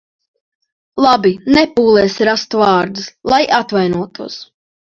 Labi, nepūlies rast vārdus, lai atvainotos.